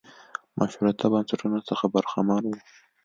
مشروطه بنسټونو څخه برخمن و.